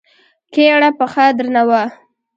کيڼه پښه درنه وه.